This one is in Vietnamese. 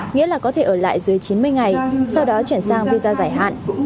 nghĩa là có thể ở lại dưới chín mươi ngày sau đó chuyển sang visa giải hạn